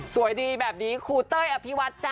สวยดีแบบนี้ครูเต้ยอภิวัตจ้